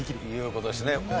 という事ですね。